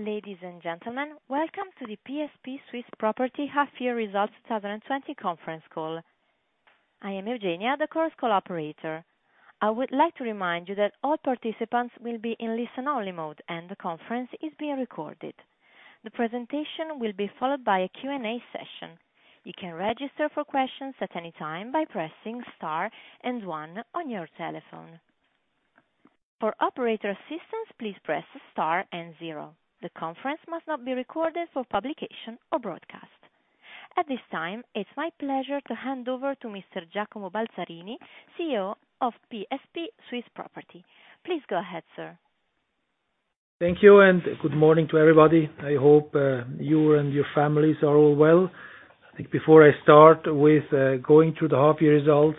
Ladies and gentlemen, welcome to the PSP Swiss Property Half Year Results 2020 conference call. I am Eugenia, the conference call operator. I would like to remind you that all participants will be in listen-only mode, and the conference is being recorded. The presentation will be followed by a Q&A session. You can register for questions at any time by pressing Star and One on your telephone. For operator assistance, please press Star and Zero. The conference must not be recorded for publication or broadcast. At this time, it's my pleasure to hand over to Mr Giacomo Balzarini, CEO of PSP Swiss Property. Please go ahead, sir. Thank you. Good morning to everybody. I hope you and your families are all well. I think before I start with going through the half-year results,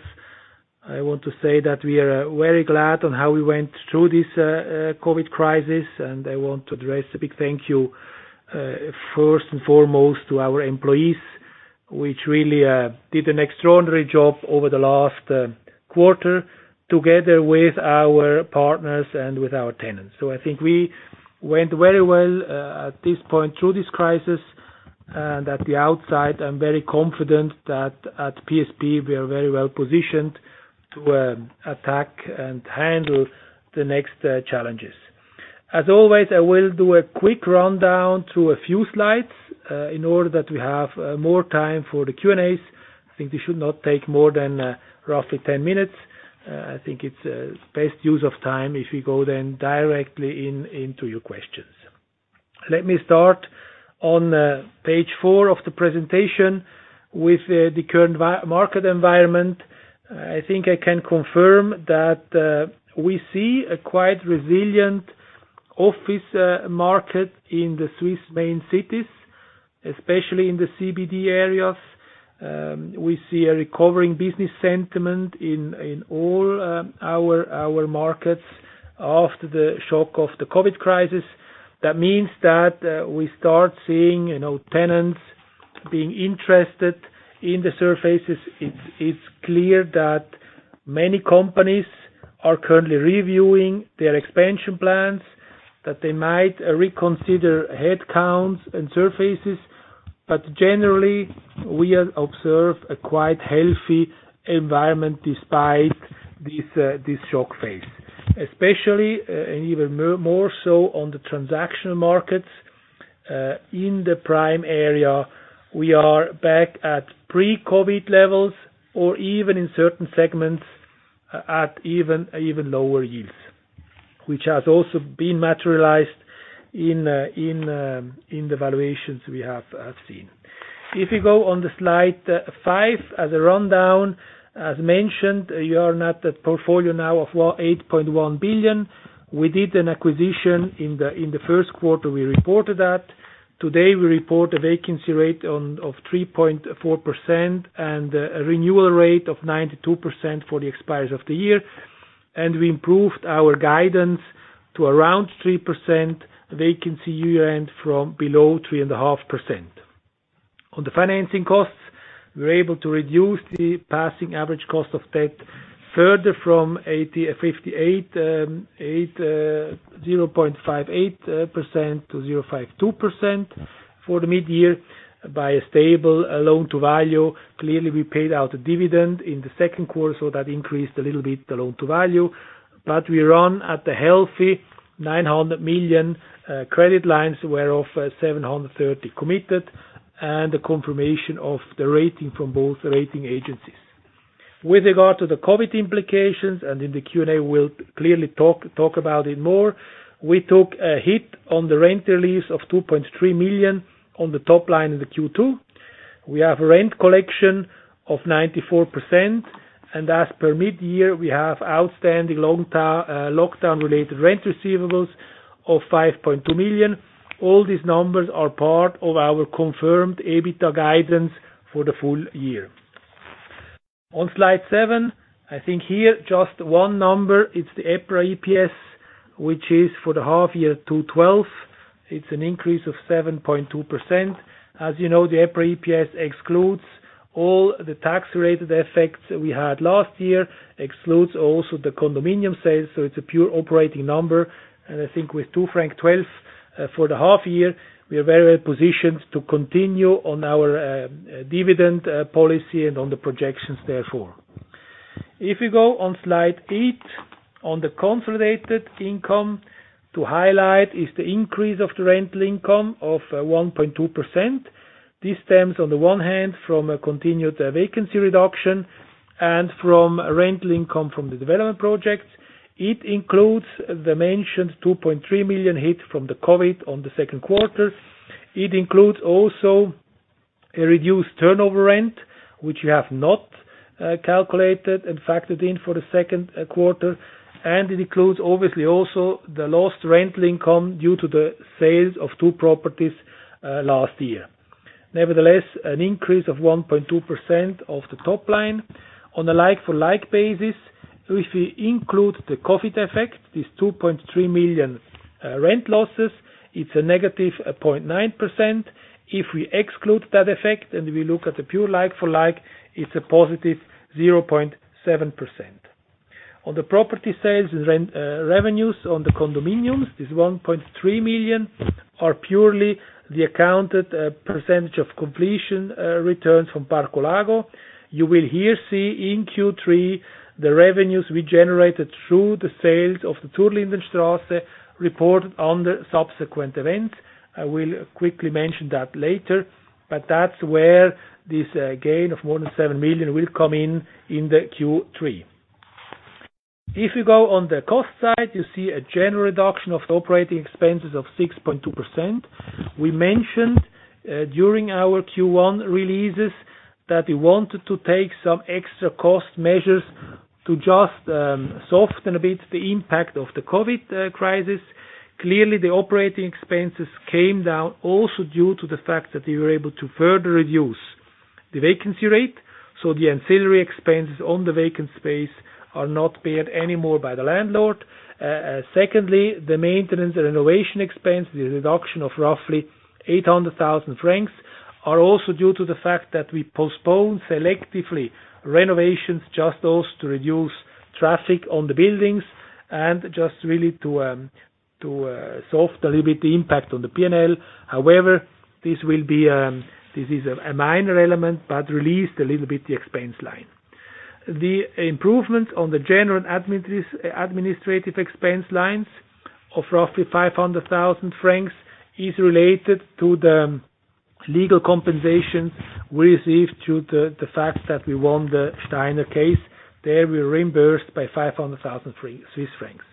I want to say that we are very glad on how we went through this COVID crisis. I want to address a big thank you, first and foremost, to our employees, which really did an extraordinary job over the last quarter together with our partners and with our tenants. I think we went very well at this point through this crisis, and at the outside, I'm very confident that at PSP we are very well-positioned to attack and handle the next challenges. As always, I will do a quick rundown through a few slides in order that we have more time for the Q&As. I think this should not take more than roughly 10 minutes. I think it's best use of time if we go then directly into your questions. Let me start on page four of the presentation with the current market environment. I think I can confirm that we see a quite resilient office market in the Swiss main cities, especially in the CBD areas. We see a recovering business sentiment in all our markets after the shock of the COVID crisis. That means that we start seeing an old tenants being interested in the surfaces. It's clear that many companies are currently reviewing their expansion plans, that they might reconsider headcounts and surfaces. Generally, we observe a quite healthy environment despite this shock phase. Especially, and even more so on the transactional markets. In the prime area, we are back at pre-COVID levels or even in certain segments at even lower yields, which has also been materialized in the valuations we have seen. If you go on the slide five as a rundown, as mentioned, you are at that portfolio now of 8.1 billion. We did an acquisition in the first quarter, we reported that. Today, we report a vacancy rate of 3.4% and a renewal rate of 92% for the expires of the year. We improved our guidance to around 3% vacancy year-end from below 3.5%. On the financing costs, we're able to reduce the passing average cost of debt further from 0.58% to 0.52% for the mid-year by a stable loan-to-value. Clearly, we paid out a dividend in the second quarter, so that increased a little bit the loan-to-value. We run at a healthy 900 million credit lines, whereof 730 million committed, and the confirmation of the rating from both rating agencies. With regard to the COVID implications, in the Q&A we'll clearly talk about it more, we took a hit on the rent relief of 2.3 million on the top line in the Q2. We have a rent collection of 94%, and as per mid-year, we have outstanding lockdown-related rent receivables of 5.2 million. All these numbers are part of our confirmed EBITDA guidance for the full year. On slide seven, I think here, just one number, it's the EPRA EPS, which is for the half year 2.12. It's an increase of 7.2%. As you know, the EPRA EPS excludes all the tax-related effects we had last year, excludes also the condominium sales, so it's a pure operating number. I think with 2.12 franc for the half year, we are very well-positioned to continue on our dividend policy and on the projections therefore. If you go on slide eight, on the consolidated income, to highlight is the increase of the rental income of 1.2%. This stems, on the one hand, from a continued vacancy reduction and from rental income from the development projects. It includes the mentioned 2.3 million hit from the COVID on the second quarter. It includes also a reduced turnover rent, which you have not calculated and factored in for the second quarter. It includes obviously also the lost rental income due to the sales of two properties last year. An increase of 1.2% of the top line. On a like-for-like basis, if we include the COVID effect, this 2.3 million rent losses, it's a negative 0.9%. If we exclude that effect and we look at the pure like-for-like, it's a positive 0.7%. On the property sales and revenues on the condominiums, this 1.3 million are purely the accounted percentage of completion returns from Parco Lago. You will here see in Q3 the revenues we generated through the sales of the Zurlindenstrasse reported on the subsequent event. I will quickly mention that later, but that's where this gain of more than 7 million will come in the Q3. If you go on the cost side, you see a general reduction of the operating expenses of 6.2%. We mentioned during our Q1 releases that we wanted to take some extra cost measures to just soften a bit the impact of the COVID crisis. The operating expenses came down also due to the fact that we were able to further reduce the vacancy rate, so the ancillary expenses on the vacant space are not paid anymore by the landlord. The maintenance and renovation expense, the reduction of roughly 800,000 francs, are also due to the fact that we postponed selectively renovations, just those to reduce traffic on the buildings and just really to soft a little bit the impact on the P&L. This is a minor element, but released a little bit the expense line. The improvement on the general administrative expense lines of roughly 500,000 francs is related to the legal compensation received due to the fact that we won the Steiner case. There we're reimbursed by 500,000 Swiss francs.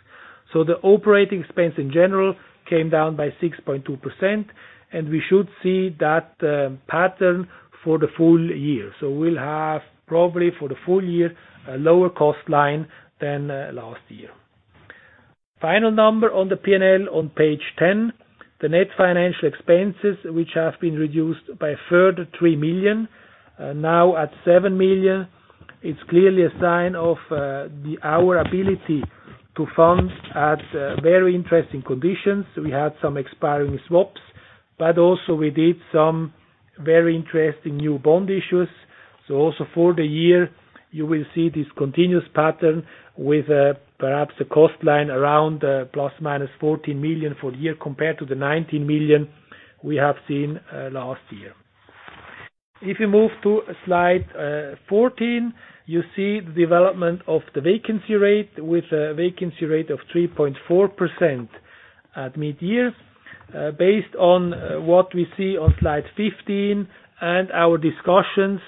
The operating expense in general came down by 6.2%, and we should see that pattern for the full year. We'll have, probably for the full year, a lower cost line than last year. Final number on the P&L on page 10, the net financial expenses, which have been reduced by a further 3 million, now at 7 million. It's clearly a sign of our ability to fund at very interesting conditions. We had some expiring swaps, we did some very interesting new bond issues. For the year, you will see this continuous pattern with perhaps a cost line around plus minus 14 million for the year compared to the 19 million we have seen last year. If you move to slide 14, you see the development of the vacancy rate with a vacancy rate of 3.4% at mid-year. Based on what we see on slide 15 and our discussions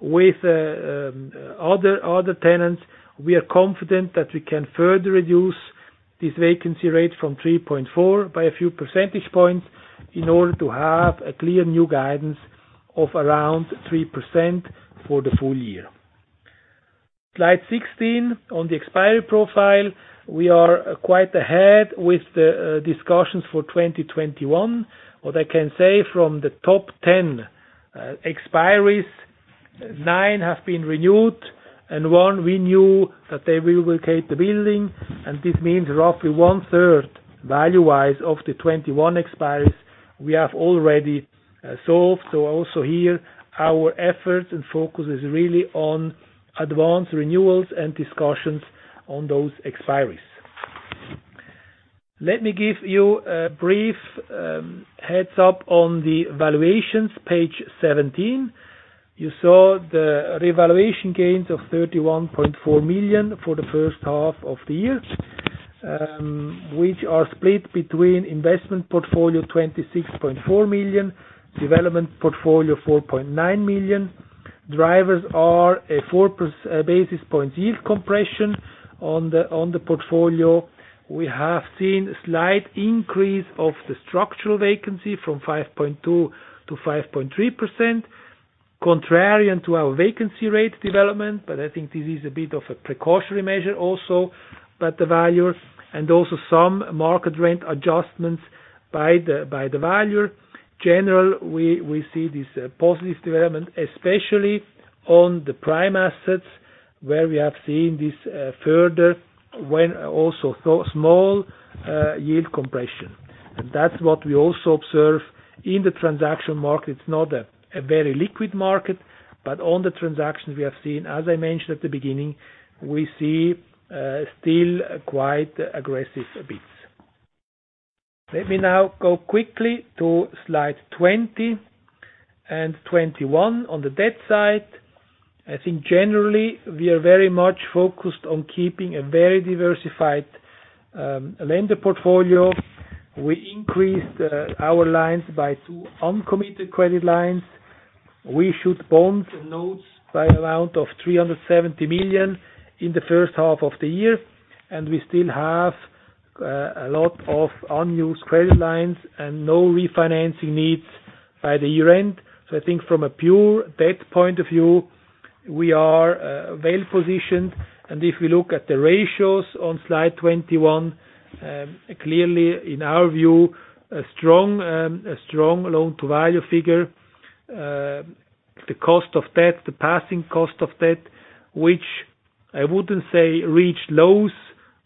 with other tenants, we are confident that we can further reduce this vacancy rate from 3.4 by a few percentage points in order to have a clear new guidance of around 3% for the full year. Slide 16 on the expiry profile, we are quite ahead with the discussions for 2021. What I can say from the top 10 expiries, nine have been renewed and one we knew that they will vacate the building. This means roughly one-third, value-wise, of the 21 expiries we have already solved. Also here, our efforts and focus is really on advanced renewals and discussions on those expiries. Let me give you a brief heads-up on the valuations, page 17. You saw the revaluation gains of 31.4 million for the first half of the year, which are split between investment portfolio 26.4 million, development portfolio 4.9 million. Drivers are a 4 basis points yield compression on the portfolio. We have seen a slight increase of the structural vacancy from 5.2% to 5.3%, contrarian to our vacancy rate development, I think this is a bit of a precautionary measure also. The valuer and also some market rent adjustments by the valuer. In general, we see this positive development, especially on the prime assets, where we have seen this further and also small yield compression. That's what we also observe in the transaction market. It's not a very liquid market, but on the transactions we have seen, as I mentioned at the beginning, we see still quite aggressive bids. Let me now go quickly to slide 20 and 21 on the debt side. I think generally we are very much focused on keeping a very diversified lender portfolio. We increased our lines by two uncommitted credit lines. We issued bonds and notes by an amount of 370 million in the first half of the year. We still have a lot of unused credit lines and no refinancing needs by the year-end. I think from a pure debt point of view, we are well-positioned. If we look at the ratios on slide 21, clearly in our view, a strong loan-to-value figure. The cost of debt, the passing cost of debt, which I wouldn't say reached lows,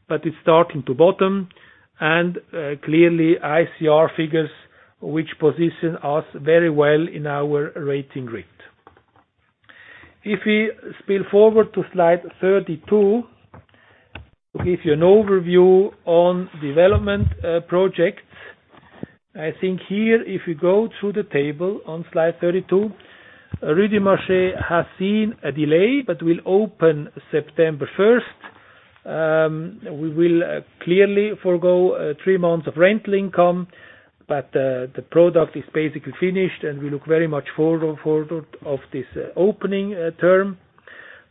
but it's starting to bottom, and clearly ICR figures which position us very well in our rating grid. If we spin forward to slide 32, to give you an overview on development projects. I think here, if we go through the table on slide 32, Rue du Marché has seen a delay but will open September 1st. We will clearly forego three months of rental income, but the product is basically finished. We look very much forward of this opening term.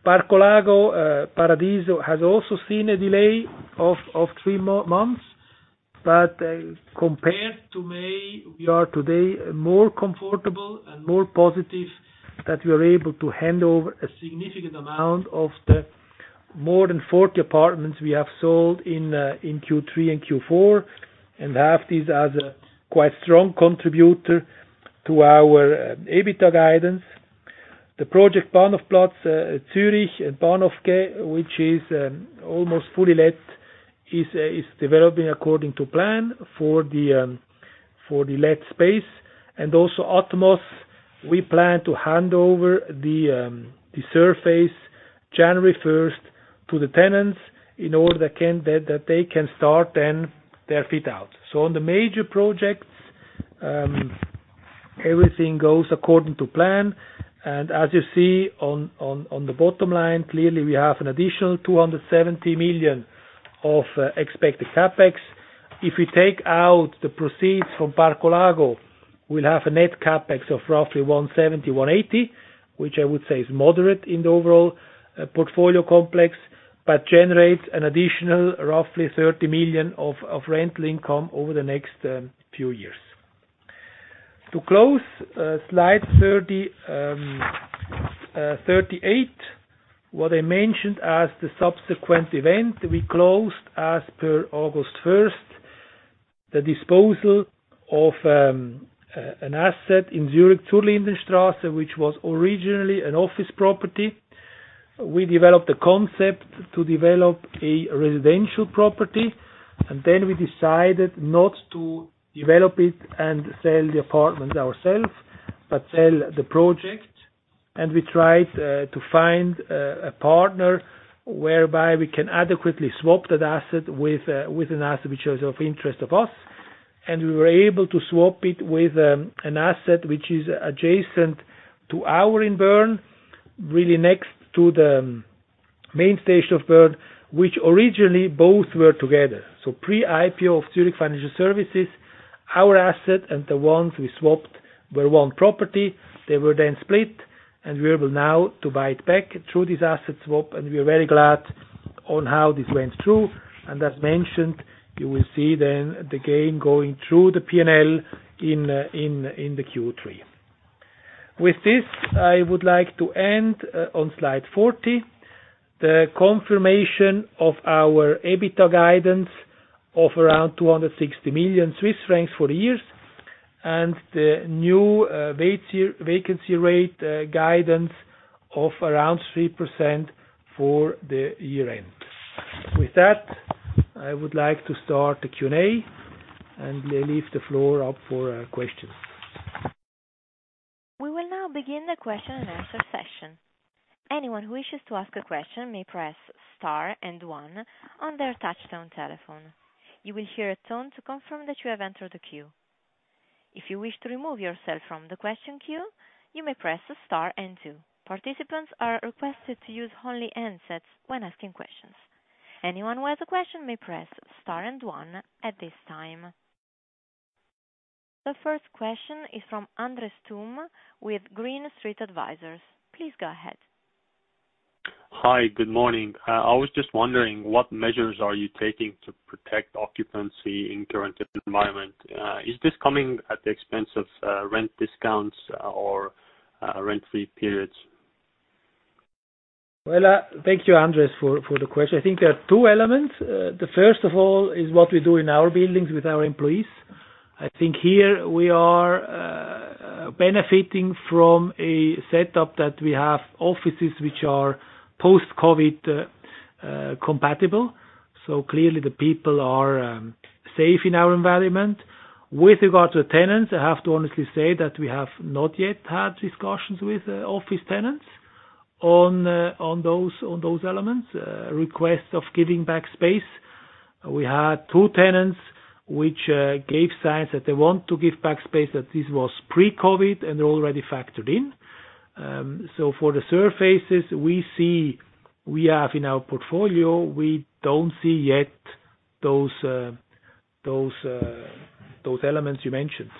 Parco Lago Paradiso has also seen a delay of three months. Compared to May, we are today more comfortable and more positive that we are able to hand over a significant amount of the more than 40 apartments we have sold in Q3 and Q4, and have this as a quite strong contributor to our EBITDA guidance. The project Bahnhofplatz, Zurich and Bahnhofquai, which is almost fully let, is developing according to plan for the let space. Also Atmos, we plan to hand over the surface January 1st to the tenants in order that they can start then their fit out. On the major projects, everything goes according to plan. As you see on the bottom line, clearly we have an additional 270 million of expected CapEx. If we take out the proceeds from Parco Lago, we'll have a net CapEx of roughly 170, 180, which I would say is moderate in the overall portfolio complex, but generates an additional roughly 30 million of rental income over the next few years. To close slide 38, what I mentioned as the subsequent event, we closed as per August 1st, the disposal of an asset in Zurich, Zurlindenstrasse, which was originally an office property. We developed a concept to develop a residential property. We decided not to develop it and sell the apartment ourselves, but sell the project. We tried to find a partner whereby we can adequately swap that asset with an asset which was of interest of us. We were able to swap it with an asset which is adjacent to ours in Bern, really next to the main station of Bern, which originally both were together. Pre-IPO of Zurich Financial Services, our asset and the ones we swapped were one property. They were then split, and we are able now to buy it back through this asset swap, and we are very glad on how this went through. As mentioned, you will see then the gain going through the P&L in the Q3. With this, I would like to end on slide 40. The confirmation of our EBITDA guidance of around 260 million Swiss francs for the years. The new vacancy rate guidance of around 3% for the year-end. With that, I would like to start the Q&A, and leave the floor up for questions. We will now begin the question and answer session. Anyone who wishes to ask a question may press star and one on their touch-tone telephone. You will hear a tone to confirm that you have entered the queue. If you wish to remove yourself from the question queue, you may press star and two. Participants are requested to use only handsets when asking questions. Anyone who has a question may press star and one at this time. The first question is from Andres Toome with Green Street Advisors. Please go ahead. Hi. Good morning. I was just wondering what measures are you taking to protect occupancy in current environment? Is this coming at the expense of rent discounts or rent-free periods? Well, thank you, Andres, for the question. I think there are two elements. The first of all is what we do in our buildings with our employees. I think here we are benefiting from a setup that we have offices which are post-COVID compatible. Clearly the people are safe in our environment. With regard to the tenants, I have to honestly say that we have not yet had discussions with office tenants on those elements, requests of giving back space. We had two tenants which gave signs that they want to give back space, that this was pre-COVID and already factored in. For the surfaces we have in our portfolio, we don't see yet those elements you mentioned.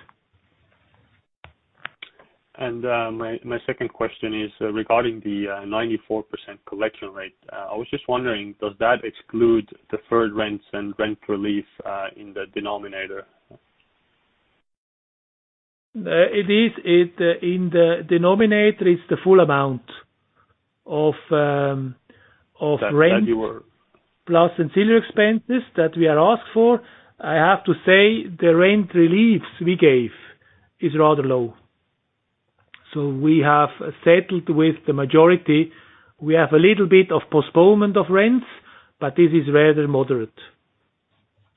My second question is regarding the 94% collection rate. I was just wondering, does that exclude deferred rents and rent relief in the denominator? It is. In the denominator, it's the full amount of rent plus ancillary expenses that we are asked for. I have to say the rent reliefs we gave is rather low. We have settled with the majority. We have a little bit of postponement of rents, but this is rather moderate.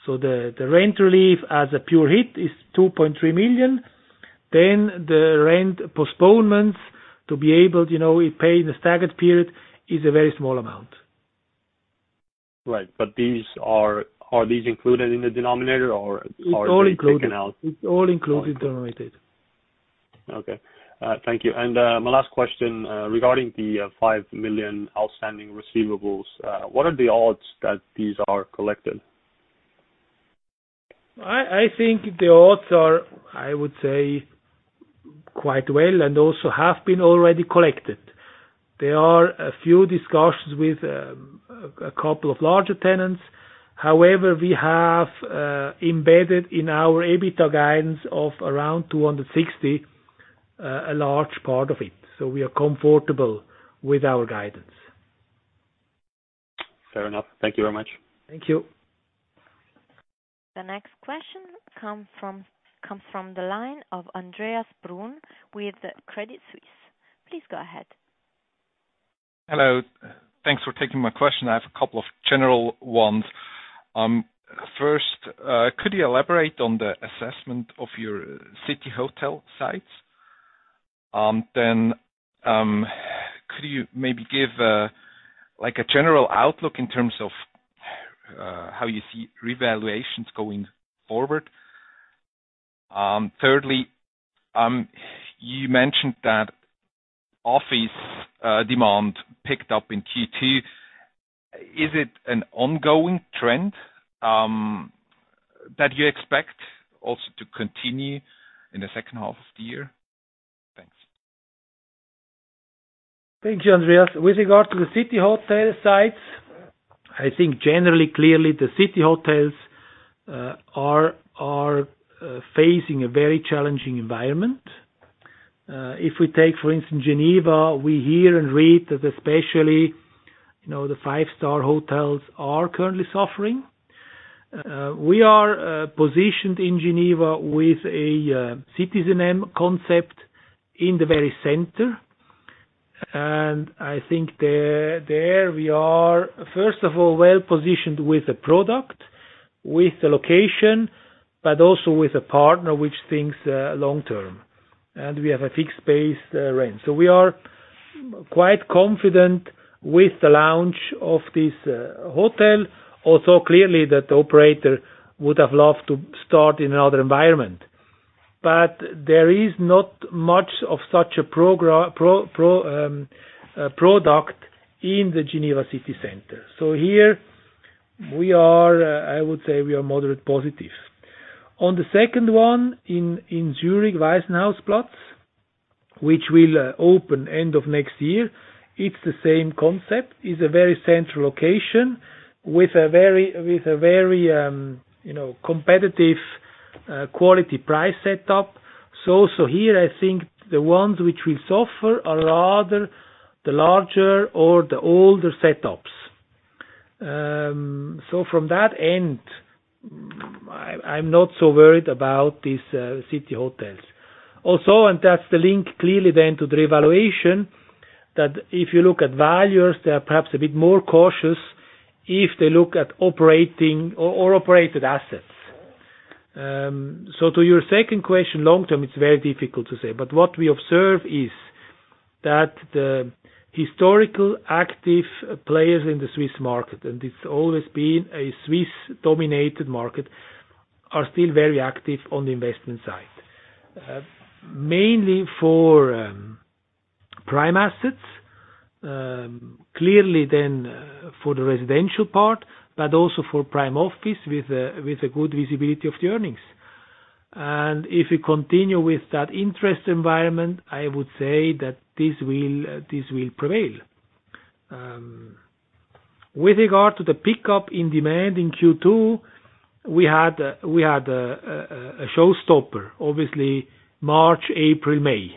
The rent relief as a pure hit is 2.3 million. The rent postponements to be able, it pay in a staggered period, is a very small amount. Right. Are these included in the denominator, or are they taken out? It's all included. It's all included in the denominator. Okay. Thank you. My last question, regarding the 5 million outstanding receivables, what are the odds that these are collected? I think the odds are, I would say, quite well, and also have been already collected. There are a few discussions with a couple of larger tenants. We have embedded in our EBITDA guidance of around 260, a large part of it. We are comfortable with our guidance. Fair enough. Thank you very much. Thank you. The next question comes from the line of Andreas Brun with Credit Suisse. Please go ahead. Hello. Thanks for taking my question. I have a couple of general ones. First, could you elaborate on the assessment of your city hotel sites? Could you maybe give a general outlook in terms of how you see revaluations going forward? Thirdly, you mentioned that office demand picked up in Q2. Is it an ongoing trend that you expect also to continue in the second half of the year? Thanks. Thank you, Andreas. With regard to the city hotel sites, I think generally, clearly the city hotels are facing a very challenging environment. If we take, for instance, Geneva, we hear and read that especially, the five-star hotels are currently suffering. We are positioned in Geneva with a citizenM concept in the very center. I think there we are, first of all, well-positioned with the product, with the location, but also with a partner which thinks long-term, and we have a fixed-based rent. We are quite confident with the launch of this hotel, although clearly the operator would have loved to start in another environment. There is not much of such a product in the Geneva city center. Here, I would say we are moderate positive. On the second one, in Zurich Waisenhausplatz, which will open end of next year, it's the same concept. It's a very central location with a very competitive quality-price setup. Here, I think the ones which will suffer are rather the larger or the older setups. From that end, I'm not so worried about these city hotels. That's the link clearly then to the evaluation, that if you look at values, they are perhaps a bit more cautious if they look at operating or operated assets. To your second question, long term, it's very difficult to say. What we observe is that the historical active players in the Swiss market, and it's always been a Swiss-dominated market, are still very active on the investment side. Mainly for prime assets, clearly then for the residential part, but also for prime office with a good visibility of the earnings. If we continue with that interest environment, I would say that this will prevail. With regard to the pickup in demand in Q2, we had a showstopper, obviously March, April, May.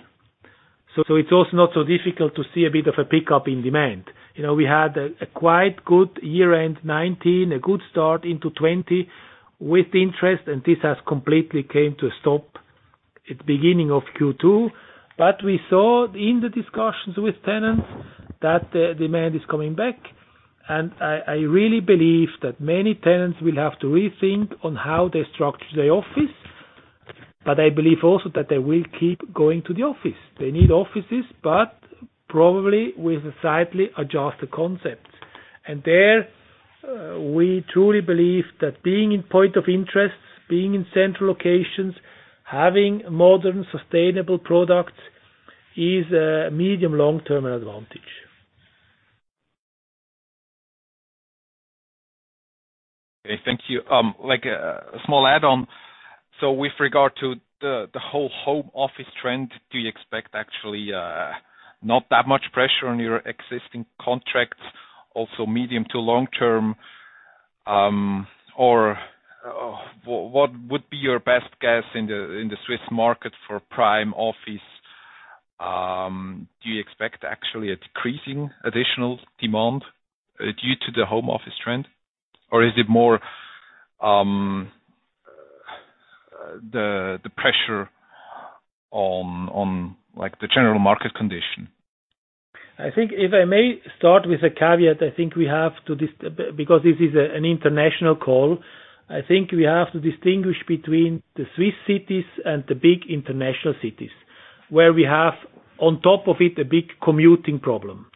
It's also not so difficult to see a bit of a pickup in demand. We had a quite good year-end 2019, a good start into 2020 with interest, and this has completely came to a stop at the beginning of Q2. We saw in the discussions with tenants that the demand is coming back, and I really believe that many tenants will have to rethink on how they structure their office. I believe also that they will keep going to the office. They need offices, but probably with a slightly adjusted concept. There, we truly believe that being in point of interests, being in central locations, having modern, sustainable products is a medium long-term advantage. Okay. Thank you. A small add-on. With regard to the whole home office trend, do you expect actually not that much pressure on your existing contracts, also medium to long term? What would be your best guess in the Swiss market for prime office? Do you expect actually a decreasing additional demand due to the home office trend? Is it the pressure on the general market condition? I think if I may start with a caveat, because this is an international call, I think we have to distinguish between the Swiss cities and the big international cities, where we have on top of it, a big commuting problem.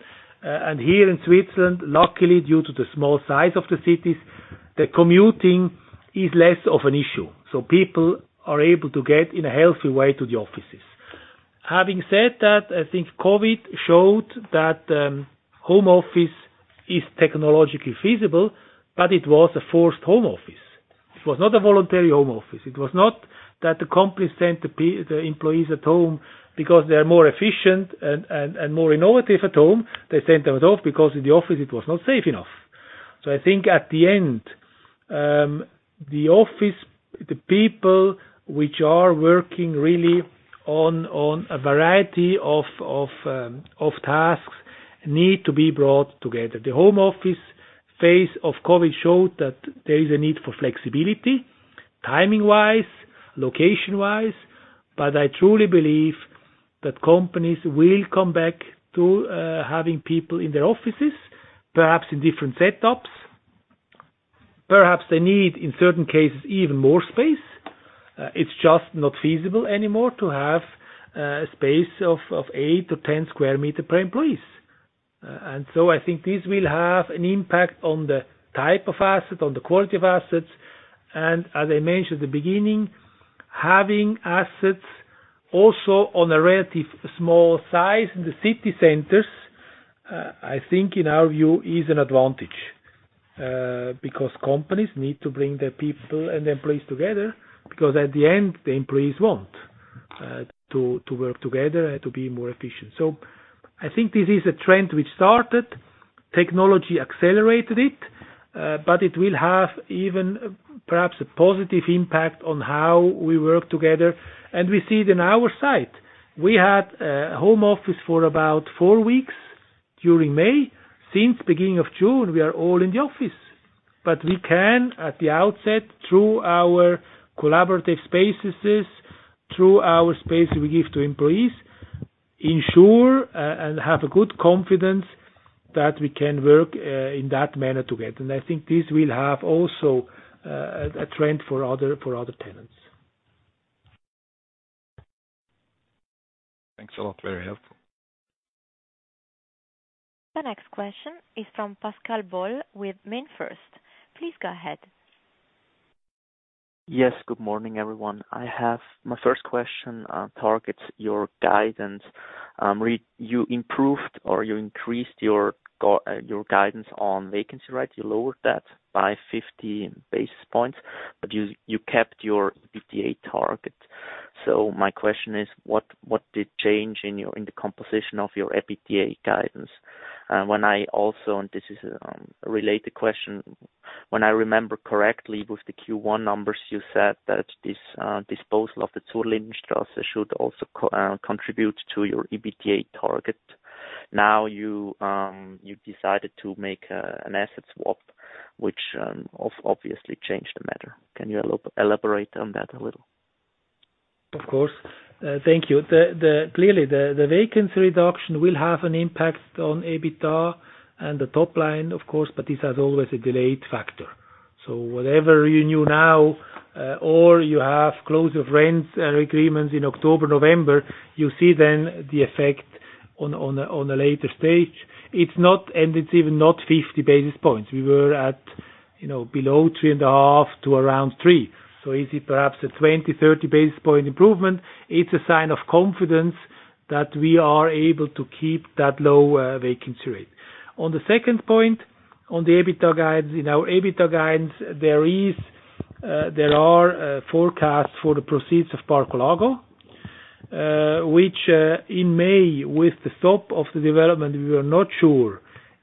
Here in Switzerland, luckily due to the small size of the cities, the commuting is less of an issue. People are able to get in a healthy way to the offices. Having said that, I think COVID showed that home office is technologically feasible, but it was a forced home office. It was not a voluntary home office. It was not that the company sent the employees at home because they are more efficient and more innovative at home. They sent them at home because in the office it was not safe enough. I think at the end, the office, the people which are working really on a variety of tasks need to be brought together. The home office phase of COVID showed that there is a need for flexibility timing-wise, location-wise. I truly believe that companies will come back to having people in their offices, perhaps in different setups. Perhaps they need, in certain cases, even more space. It's just not feasible anymore to have a space of 8 to 10 sq m per employee. I think this will have an impact on the type of asset, on the quality of assets. As I mentioned at the beginning, having assets also on a relative small size in the city centers, I think in our view is an advantage. Because companies need to bring their people and employees together, because at the end, the employees want to work together and to be more efficient. I think this is a trend which started. Technology accelerated it, but it will have even perhaps a positive impact on how we work together. We see it in our side. We had a home office for about four weeks during May. Since beginning of June, we are all in the office. We can, at the outset, through our collaborative spaces, through our space we give to employees, ensure and have a good confidence that we can work in that manner together. I think this will have also a trend for other tenants. Thanks a lot. Very helpful. The next question is from Pascal Boll with MainFirst. Please go ahead. Good morning, everyone. My first question targets your guidance. You improved or you increased your guidance on vacancy rate. You lowered that by 50 basis points, but you kept your EBITDA target. My question is, what did change in the composition of your EBITDA guidance? This is a related question. When I remember correctly with the Q1 numbers, you said that this disposal of the Zurlindenstrasse should also contribute to your EBITDA target. Now you decided to make an asset swap, which obviously changed the matter. Can you elaborate on that a little? Of course. Thank you. Clearly, the vacancy reduction will have an impact on EBITDA and the top line, of course, this has always a delayed factor. Whatever you knew now, or you have close of rent agreements in October, November, you see then the effect on a later stage. It's even not 50 basis points. We were at below three and a half percent to around three percent. Is it perhaps a 20, 30 basis point improvement? It's a sign of confidence that we are able to keep that low vacancy rate. On the second point, on the EBITDA guidance. In our EBITDA guidance, there are forecasts for the proceeds of Parco Lago, which in May with the stop of the development, we were not sure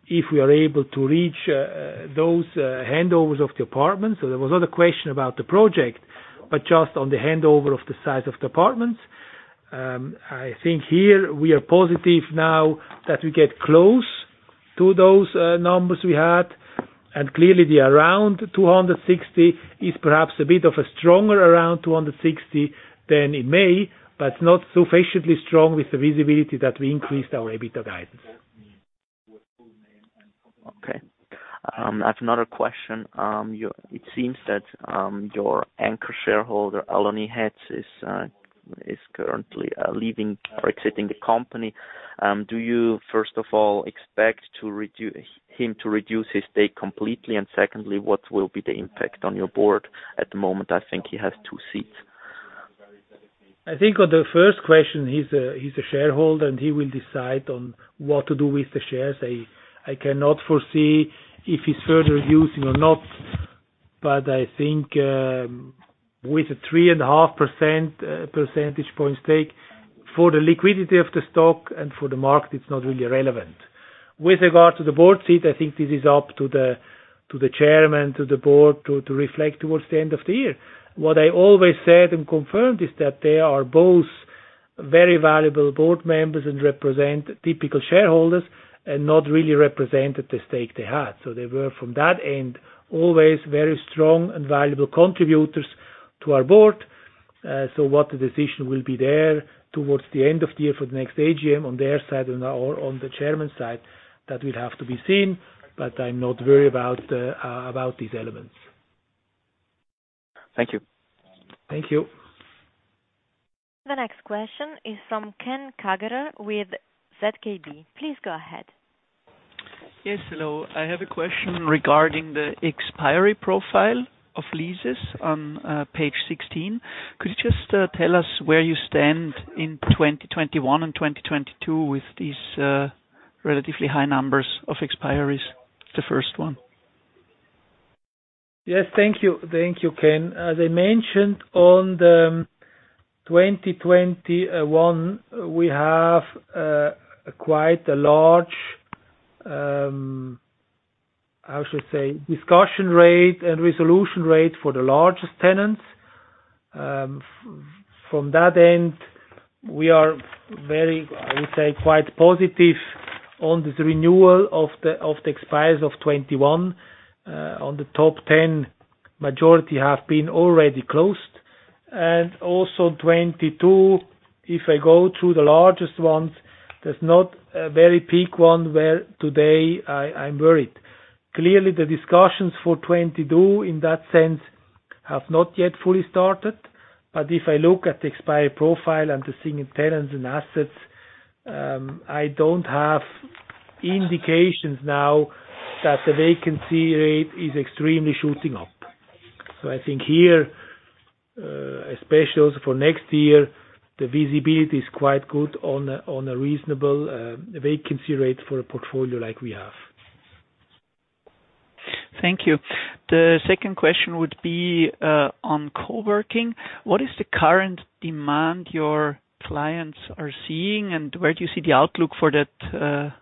if we are able to reach those handovers of the apartments. There was not a question about the project, but just on the handover of the size of the apartments. I think here we are positive now that we get close to those numbers we had, and clearly the around 260 is perhaps a bit of a stronger around 260 than in May, but not sufficiently strong with the visibility that we increased our EBITDA guidance. Okay. I have another question. It seems that your anchor shareholder, Alony Hetz, is currently leaving or exiting the company. Do you, first of all, expect him to reduce his stake completely? Secondly, what will be the impact on your board? At the moment, I think he has two seats. I think on the first question, he's a shareholder, and he will decide on what to do with the shares. I cannot foresee if he's further reducing or not, but I think with a 3.5% percentage point stake, for the liquidity of the stock and for the market, it's not really relevant. With regard to the board seat, I think this is up to the chairman, to the board, to reflect towards the end of the year. What I always said and confirmed is that they are both very valuable board members and represent typical shareholders and not really represent the stake they had. They were from that end, always very strong and valuable contributors to our board. What the decision will be there towards the end of the year for the next AGM on their side and/or on the chairman's side, that will have to be seen. I'm not worried about these elements. Thank you. Thank you. The next question is from Ken Kagerer with ZKB. Please go ahead. Yes. Hello. I have a question regarding the expiry profile of leases on page 16. Could you just tell us where you stand in 2021 and 2022 with these relatively high numbers of expiries? The first one. Yes. Thank you, Ken. As I mentioned on the 2021, we have quite a large, how should I say, discussion rate and resolution rate for the largest tenants. From that end, we are very, I would say, quite positive on this renewal of the expires of 2021. On the top 10, majority have been already closed. Also 2022, if I go through the largest ones, there's not a very peak one where today I'm worried. Clearly, the discussions for 2022 in that sense have not yet fully started, if I look at the expiry profile and the seeing tenants and assets, I don't have indications now that the vacancy rate is extremely shooting up. I think here, especially for next year, the visibility is quite good on a reasonable vacancy rate for a portfolio like we have. Thank you. The second question would be on co-working. What is the current demand your clients are seeing, and where do you see the outlook for that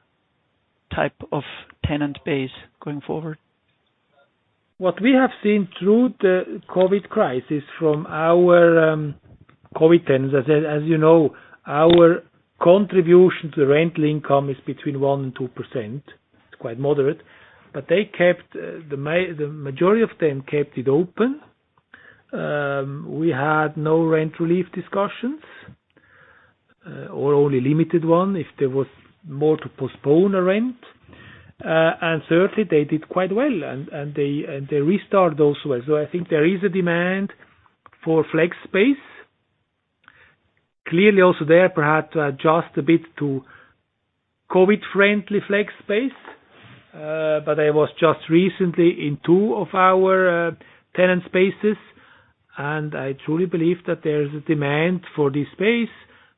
type of tenant base going forward? What we have seen through the COVID crisis from our co-working tenants, as you know, our contribution to the rental income is between 1% and 2%. It's quite moderate. The majority of them kept it open. We had no rent relief discussions, or only limited one if there was more to postpone a rent. Certainly, they did quite well and they restart those well. I think there is a demand for flex space. Clearly also there perhaps to adjust a bit to COVID-friendly flex space. I was just recently in two of our tenant spaces, and I truly believe that there is a demand for this space.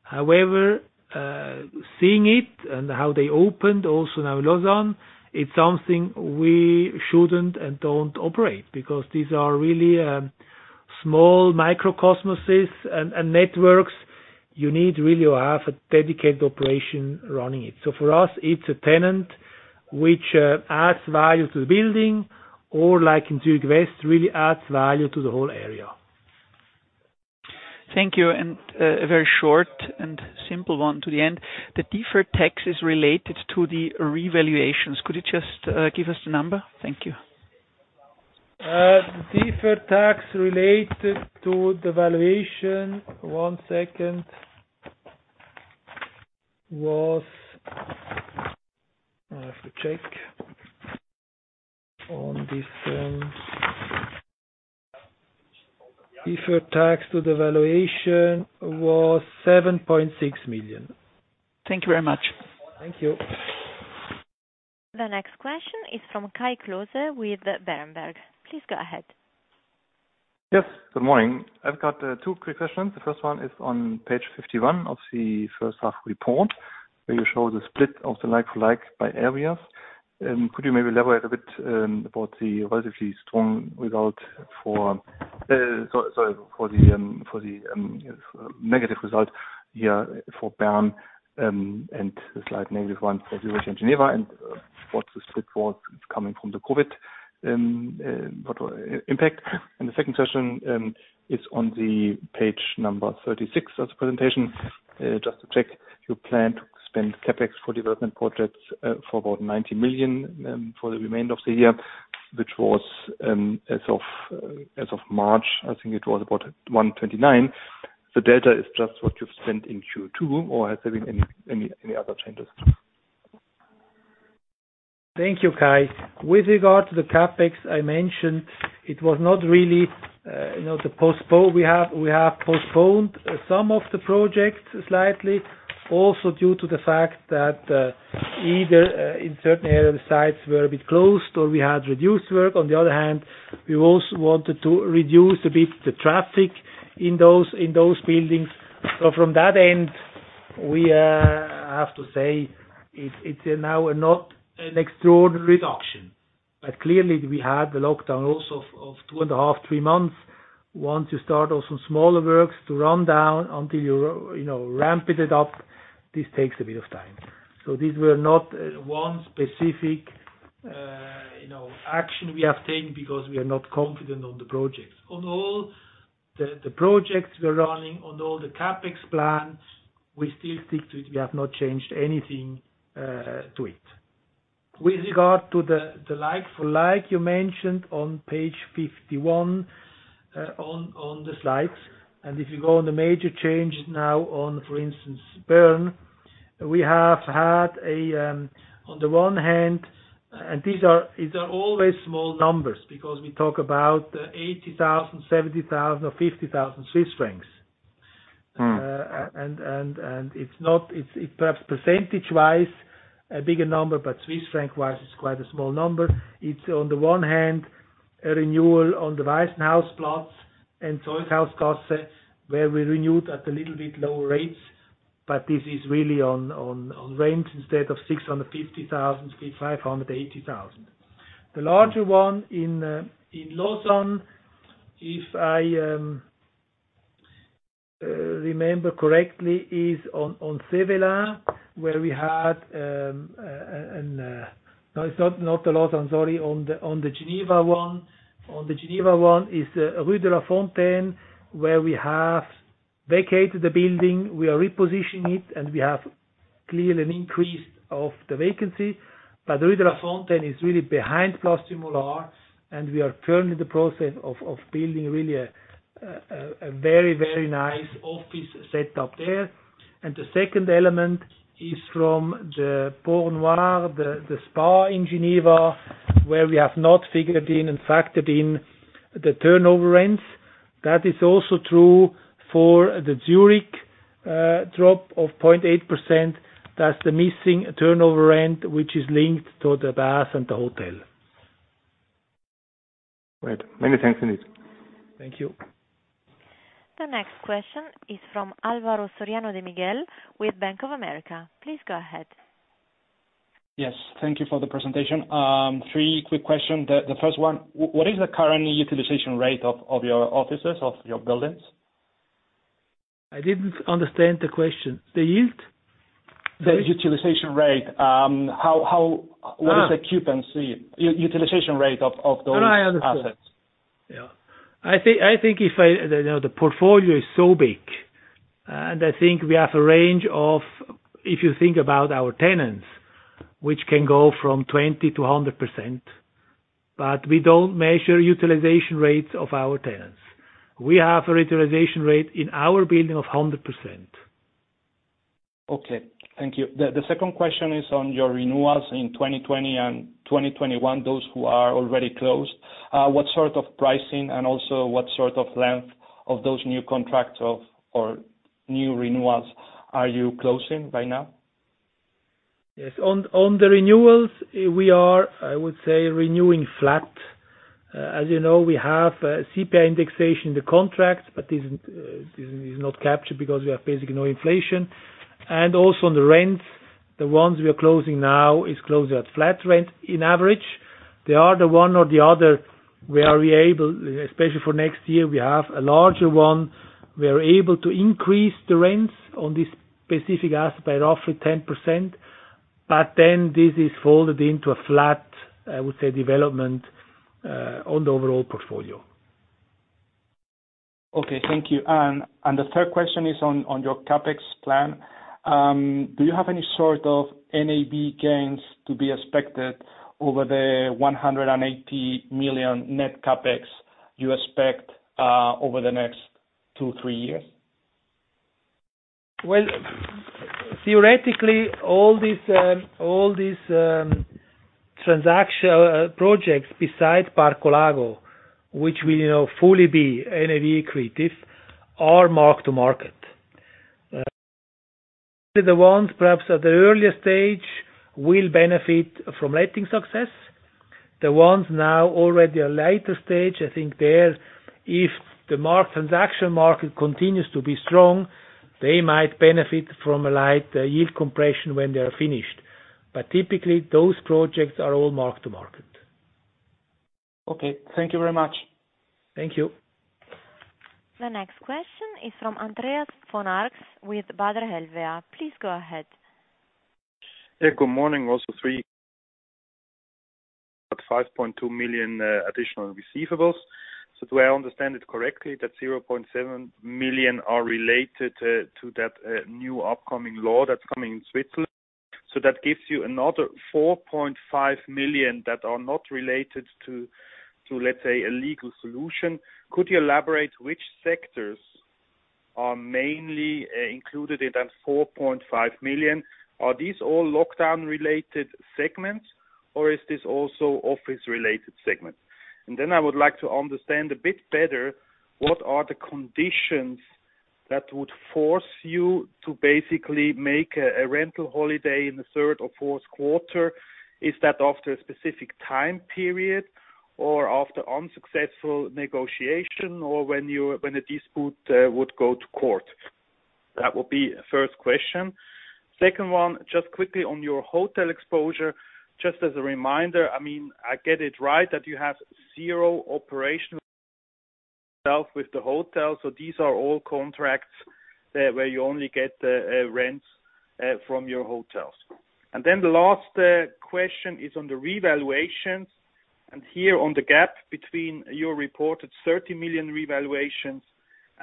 However, seeing it and how they opened also now Lausanne, it's something we shouldn't and don't operate because these are really small microcosms and networks. You need really to have a dedicated operation running it. For us, it's a tenant which adds value to the building or like in Zurich West, really adds value to the whole area. Thank you. A very short and simple one to the end. The deferred tax is related to the revaluations. Could you just give us the number? Thank you. Deferred tax related to the valuation, one second. I have to check. On this end. Deferred tax to the valuation was 7.6 million. Thank you very much. Thank you. The next question is from Kai Klose with Berenberg. Please go ahead. Yes. Good morning. I've got two quick questions. The first one is on page 51 of the first half report, where you show the split of the like-for-like by areas. Could you maybe elaborate a bit about the relatively strong result for the negative result here for Bern, and the slight negative one for Zurich and Geneva, and what the split was coming from the COVID impact? The second question is on the page number 36 of the presentation. Just to check, you plan to spend CapEx for development projects for about 90 million for the remainder of the year, which was as of March, I think it was about 129. The data is just what you've spent in Q2 or has there been any other changes? Thank you, Kai. With regard to the CapEx, I mentioned it was not really the postpone. We have postponed some of the projects slightly also due to the fact that either in certain areas, the sites were a bit closed or we had reduced work. We also wanted to reduce a bit the traffic in those buildings. From that end, we have to say it's now not an extraordinary reduction. Clearly we had the lockdown also of two and a half, three months. Once you start on some smaller works to run down until you ramp it up, this takes a bit of time. These were not one specific action we have taken because we are not confident on the projects. On all the projects we are running, on all the CapEx plans, we still stick to it. We have not changed anything to it. With regard to the like-for-like, you mentioned on page 51 on the slides, and if you go on the major change now on, for instance, Bern, we have had, on the one hand. These are always small numbers because we talk about 80,000, 70,000 or 50,000 Swiss francs. It's perhaps percentage-wise a bigger number, but Swiss franc-wise, it's quite a small number. It's on the one hand, a renewal on the Waisenhausplatz and Zytglogge where we renewed at a little bit lower rates, but this is really on rent. Instead of 650,000, 580,000. The larger one in Lausanne, if I remember correctly, is on Sévelin, where we had No, it's not Lausanne, sorry. On the Geneva one is Rue de la Fontaine, where we have vacated the building. We are repositioning it, and we have clearly an increase of the vacancy. Rue de la Fontaine is really behind Place du Molard, and we are currently in the process of building really a very, very nice office set up there. The second element is from the Bain-Bleu, the spa in Geneva, where we have not figured in and factored in the turnover rents. That is also true for the Zurich drop of 0.8%. That's the missing turnover rent, which is linked to the bars and the hotel. Great. Many thanks, indeed. Thank you. The next question is from Álvaro Soriano de Miguel with Bank of America. Please go ahead. Yes, thank you for the presentation. Three quick questions. The first one, what is the current utilization rate of your offices, of your buildings? I didn't understand the question. The yield? Sorry. The utilization rate. What is the occupancy, utilization rate of those assets? Now I understand. Yeah. I think the portfolio is so big, and I think we have a range of, if you think about our tenants, which can go from 20%-100%, but we don't measure utilization rates of our tenants. We have a utilization rate in our building of 100%. Okay. Thank you. The second question is on your renewals in 2020 and 2021, those who are already closed. What sort of pricing, and also what sort of length of those new contracts or new renewals are you closing by now? On the renewals, we are, I would say, renewing flat. As you know, we have CPI indexation in the contracts, but this is not captured because we have basically no inflation. Also on the rents, the ones we are closing now is closing at flat rent in average. There are the one or the other where we are able, especially for next year, we have a larger one. We are able to increase the rents on this specific asset by roughly 10%, this is folded into a flat, I would say, development, on the overall portfolio. Okay, thank you. The third question is on your CapEx plan. Do you have any sort of NAV gains to be expected over the 180 million net CapEx you expect over the next two, three years? Well, theoretically, all these transaction projects besides Parco Lago, which will fully be NAV accretive, are mark-to-market. The ones perhaps at the earliest stage will benefit from letting success. The ones now already a later stage, I think there, if the mark transaction market continues to be strong, they might benefit from a light yield compression when they are finished. Typically, those projects are all mark-to-market. Okay. Thank you very much. Thank you. The next question is from Andreas von Arx with Baader Helvea. Please go ahead. Yeah. Good morning. 5.2 million additional receivables. Do I understand it correctly that 0.7 million are related to that new upcoming law that's coming in Switzerland? That gives you another 4.5 million that are not related to, let's say, a legal solution. Could you elaborate which sectors are mainly included in that 4.5 million? Are these all lockdown-related segments, or is this also office-related segments? Then I would like to understand a bit better what are the conditions that would force you to basically make a rental holiday in the third or fourth quarter. Is that after a specific time period or after unsuccessful negotiation, or when a dispute would go to court? That would be first question. Second one, just quickly on your hotel exposure, just as a reminder, I get it right that you have zero operational staff with the hotel. These are all contracts where you only get rents from your hotels. The last question is on the revaluations, and here on the gap between your reported 30 million revaluations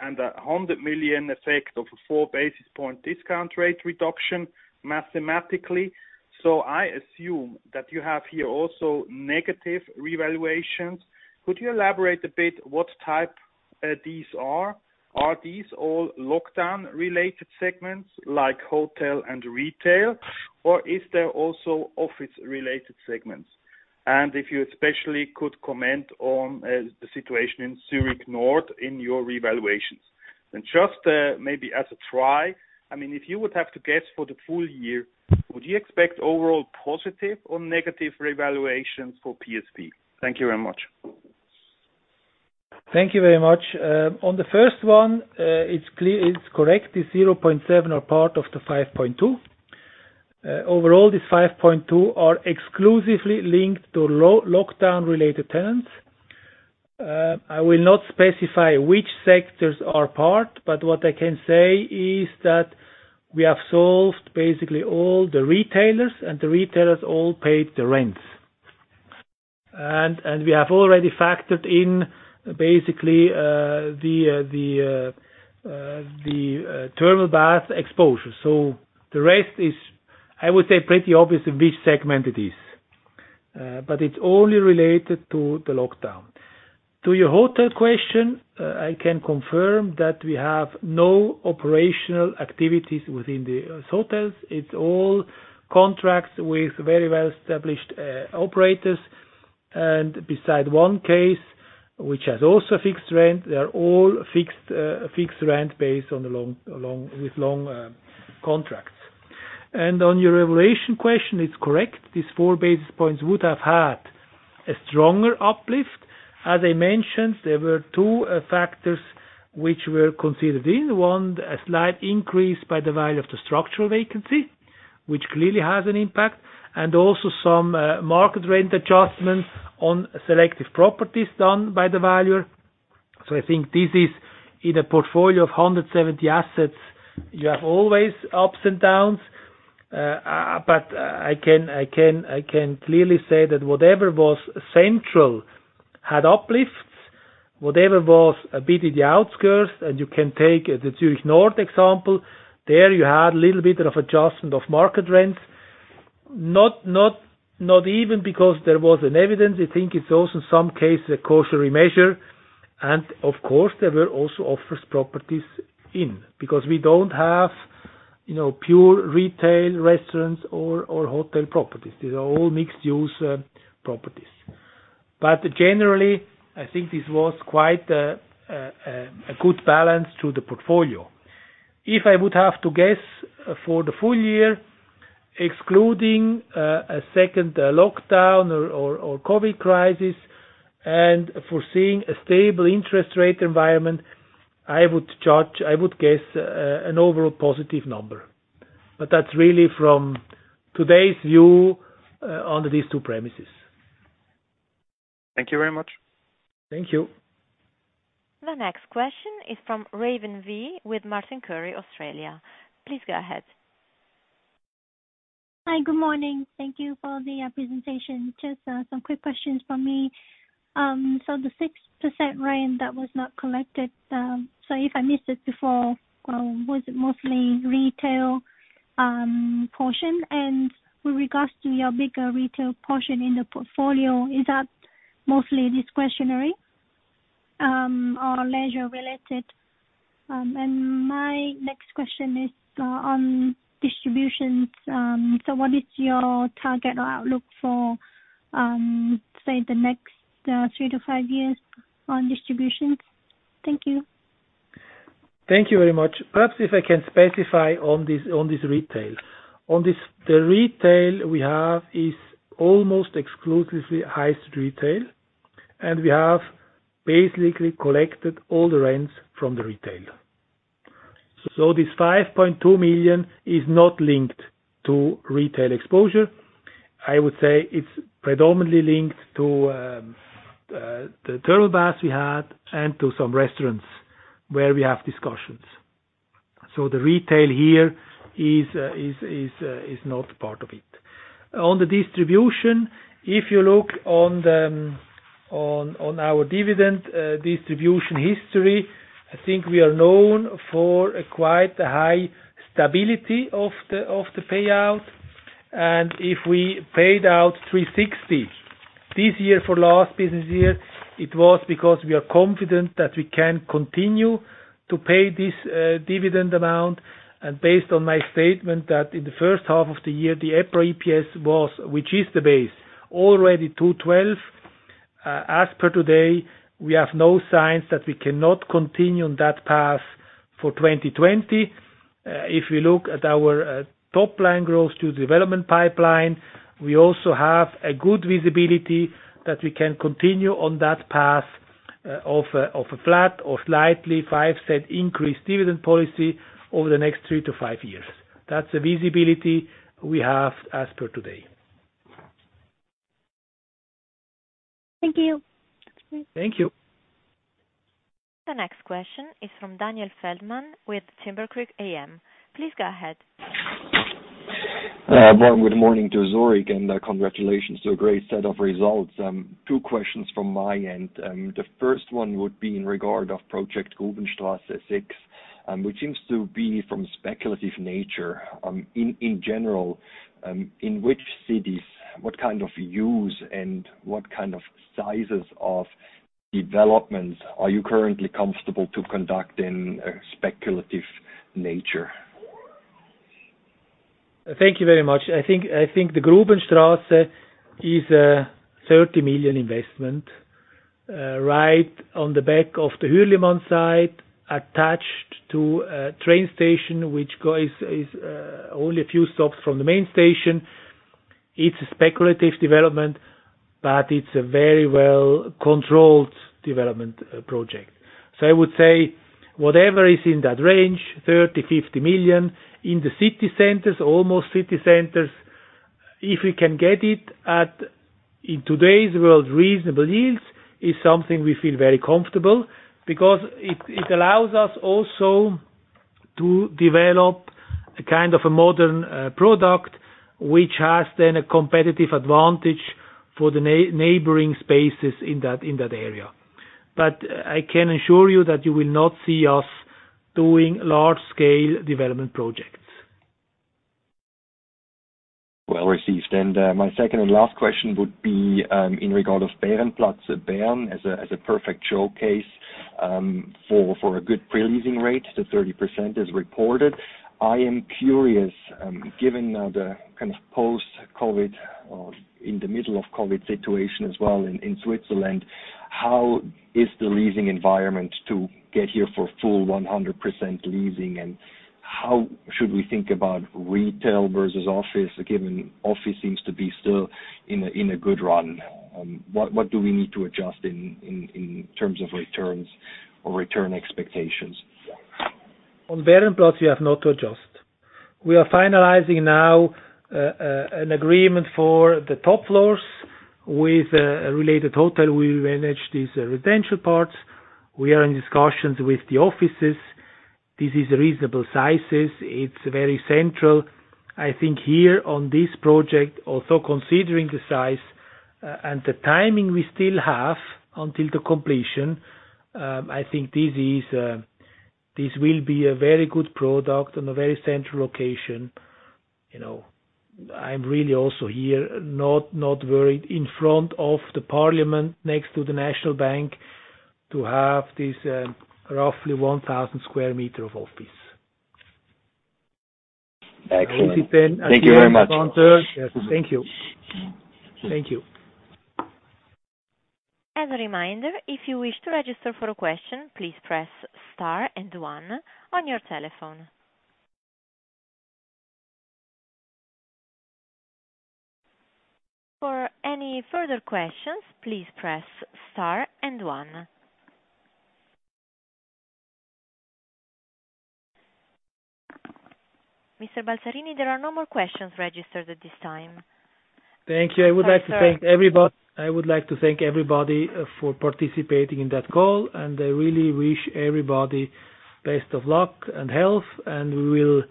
and the 100 million effect of a four basis point discount rate reduction mathematically. I assume that you have here also negative revaluations. Could you elaborate a bit what type these are? Are these all lockdown-related segments like hotel and retail, or is there also office-related segments? If you especially could comment on the situation in Zurich North in your revaluations. Just maybe as a try, if you would have to guess for the full year, would you expect overall positive or negative revaluations for PSP? Thank you very much. Thank you very much. On the first one, it's correct, this 0.7 are part of the 5.2. Overall, this 5.2 are exclusively linked to lockdown-related tenants. I will not specify which sectors are part, but what I can say is that we have solved basically all the retailers, and the retailers all paid the rents. We have already factored in basically the thermal bath exposure. The rest is, I would say, pretty obvious in which segment it is. It's only related to the lockdown. To your hotel question, I can confirm that we have no operational activities within the hotels. It's all contracts with very well-established operators. Beside one case, which has also a fixed rent, they are all fixed rent based with long contracts. On your revaluation question, it's correct. These 4 basis points would have had a stronger uplift. As I mentioned, there were two factors which were considered in. One, a slight increase by the value of the structural vacancy, which clearly has an impact, and also some market rent adjustments on selective properties done by the valuer. I think this is in a portfolio of 170 assets, you have always ups and downs. I can clearly say that whatever was central had uplifts. Whatever was a bit in the outskirts, and you can take the Zurich North example, there you had little bit of adjustment of market rents. Not even because there was an evidence, I think it's also in some cases a cautionary measure. Of course, there were also office properties in, because we don't have pure retail restaurants or hotel properties. These are all mixed-use properties. Generally, I think this was quite a good balance to the portfolio. If I would have to guess for the full year, excluding a second lockdown or COVID crisis, and foreseeing a stable interest rate environment, I would guess an overall positive number. That's really from today's view on these two premises. Thank you very much. Thank you. The next question is from Raven Vi with Martin Currie, Australia. Please go ahead. Hi. Good morning. Thank you for the presentation. Just some quick questions from me. The 6% rent that was not collected, sorry if I missed it before, was it mostly retail portion? With regards to your bigger retail portion in the portfolio, is that mostly discretionary or leisure-related? My next question is on distributions. What is your target or outlook for, say, the next three to five years on distributions? Thank you. Thank you very much. Perhaps if I can specify on this retail. The retail we have is almost exclusively high street retail, and we have basically collected all the rents from the retailer. This 5.2 million is not linked to retail exposure. I would say it's predominantly linked to the thermal baths we had and to some restaurants where we have discussions. The retail here is not part of it. On the distribution, if you look on our dividend distribution history, I think we are known for a quite a high stability of the payout. If we paid out 3.60 this year for last business year, it was because we are confident that we can continue to pay this dividend amount. Based on my statement that in the first half of the year, the EPRA EPS was, which is the base, already 2.12. As per today, we have no signs that we cannot continue on that path for 2020. If we look at our top line growth to development pipeline, we also have a good visibility that we can continue on that path of a flat or slightly 0.05 increased dividend policy over the next three to five years. That's the visibility we have as per today. Thank you. Thank you. The next question is from Daniel Feldman with Timbercreek AM. Please go ahead. Good morning to Zurich, and congratulations to a great set of results. Two questions from my end. The first one would be in regard of Project Grubenstrasse 6, which seems to be from speculative nature. In general, in which cities, what kind of use, and what kind of sizes of developments are you currently comfortable to conduct in a speculative nature? Thank you very much. I think the Grubenstrasse is a 30 million investment, right on the back of the Hürlimann Areal, attached to a train station, which is only a few stops from the main station. It's a speculative development, it's a very well-controlled development project. I would say whatever is in that range, 30 million, 50 million, in the city centers, almost city centers, if we can get it at, in today's world, reasonable yields, is something we feel very comfortable. It allows us also to develop a kind of a modern product, which has then a competitive advantage for the neighboring spaces in that area. I can assure you that you will not see us doing large-scale development projects. Well received. My second and last question would be, in regard of Bärenplatz, Bern as a perfect showcase for a good pre-leasing rate. The 30% as reported. I am curious, given the kind of post-COVID or in the middle of COVID situation as well in Switzerland, how is the leasing environment to get here for full 100% leasing, and how should we think about retail versus office, given office seems to be still in a good run? What do we need to adjust in terms of returns or return expectations? On Bärenplatz, we have not to adjust. We are finalizing now an agreement for the top floors with a related hotel. We will manage these residential parts. We are in discussions with the offices. This is reasonable sizes. It's very central. I think here on this project, also considering the size and the timing we still have until the completion, I think this will be a very good product on a very central location. I'm really also here, not worried. In front of the parliament, next to the national bank, to have this roughly 1,000 sq m of office. Excellent. Thank you very much. Thank you. As a reminder, if you wish to register for a question, please press star and one on your telephone. For any further questions, please press star and one. Mr. Balzarini, there are no more questions registered at this time. Thank you. I would like to thank everybody for participating in that call, and I really wish everybody best of luck and health, and we will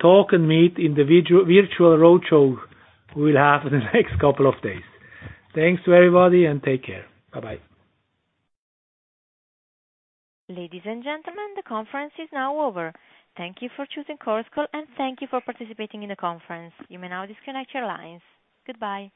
talk and meet in the virtual road show we will have in the next couple of days. Thanks to everybody and take care. Bye-bye. Ladies and gentlemen, the conference is now over. Thank you for choosing Chorus Call, and thank you for participating in the conference. You may now disconnect your lines. Goodbye.